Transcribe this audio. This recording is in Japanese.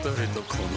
この